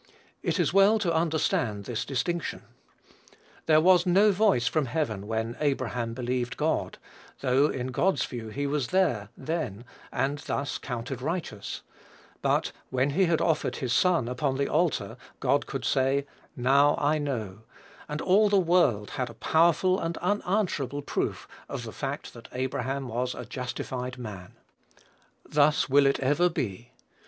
It is well to understand this distinction. There was no voice from heaven when "Abraham believed God," though in God's view he was there, then, and thus "counted righteous;" but "when he had offered his son upon the altar," God could say, "now I know;" and all the world had a powerful and unanswerable proof of the fact that Abraham was a justified man. Thus will it ever be.